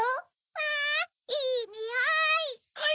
わぁいいにおい！